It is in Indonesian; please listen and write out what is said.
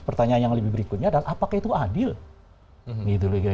pertanyaan yang lebih berikutnya adalah apakah itu adil